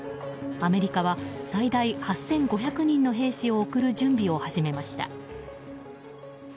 アメリカは最大８５００人の兵士を送る準備を始めました。